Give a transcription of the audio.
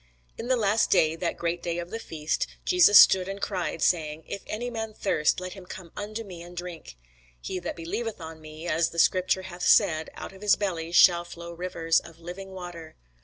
In the last day, that great day of the feast, Jesus stood and cried, saying, If any man thirst, let him come unto me, and drink. He that believeth on me, as the scripture hath said, out of his belly shall flow rivers of living water.